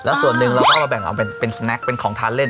แล้วส่วนหนึ่งเราก็เอาไปแบ่งเอาเป็นเป็นสแนคเป็นของทานเล่น